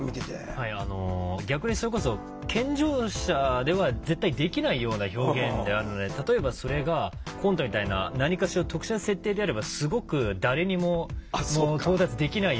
はいあの逆にそれこそ健常者では絶対できないような表現であるので例えばそれがコントみたいな何かしら特殊な設定であればすごく誰にも到達できないような表現であるかなっていうふうに思いました。